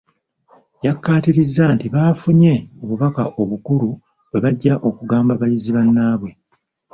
Yakkaatirizza nti bafunye obubaka obukulu bwe bajja okugamba bayizi bannaabwe.